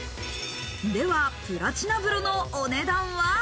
ではプラチナ風呂のお値段は？